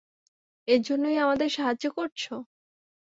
এজন্যই আমাদের সাহায্য করছো?